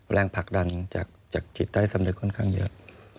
แรงผลักดันจากจิตใต้สำนึกค่อนข้างเยอะ